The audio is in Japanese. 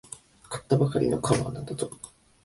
買ったばかりのカバーなんだぞ。